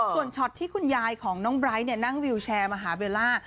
ส่วนช็อตที่คุณยายของน้องไบร์ทนั่งวิวแชร์มาหาเบลล่า